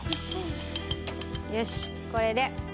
よしこれで。